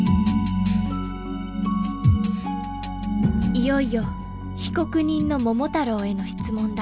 いよいよ被告人の桃太郎への質問だ。